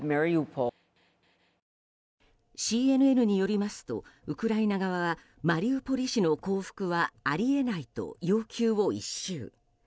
ＣＮＮによりますとウクライナ側はマリウポリ市の降伏はあり得ないと要求を一蹴。